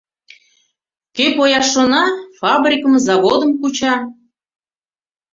— Кӧ пояш шона, фабрикым, заводым куча...